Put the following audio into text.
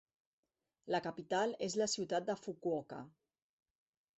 La capital és la ciutat de Fukuoka.